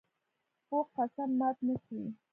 پوخ قسم ماتې نه خوري